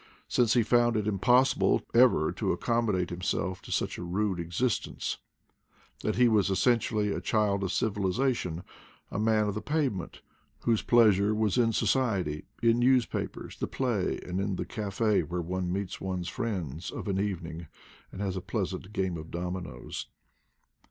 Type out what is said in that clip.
since he found it impossible ever to accommodate himself to such a rude existence; that he was es sentially a child of civilization, a man of the pave ment, whose pleasure was in society, in newspa pers, the play, and in the cafe where one meets one's friends of an evening and has a pleasant game of dominoes.